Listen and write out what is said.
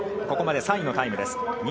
ここまで３位のタイムです。